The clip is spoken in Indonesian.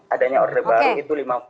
adanya order baru itu lima puluh